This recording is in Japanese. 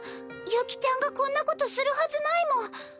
悠希ちゃんがこんなことするはずないもん！